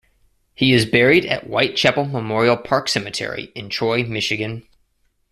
He is buried at White Chapel Memorial Park Cemetery, in Troy, Michigan.